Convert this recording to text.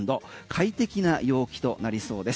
快適な陽気となりそうです。